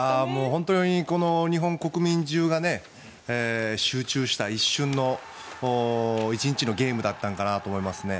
本当にこの日本国民中が集中した一瞬の１日のゲームだったのかなと思いますね。